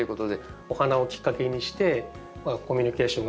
お花をきっかけにしてコミュニケーションが取れて。